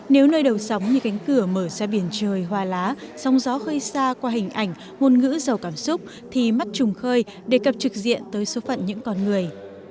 nếu nơi đầu sóng như cánh cửa mở ra biển trời hoa lá sóng gió khơi xa qua hình ảnh ngôn ngữ giàu cảm xúc thì mắt trùng khơi đề cập trực diện tới số phận những con người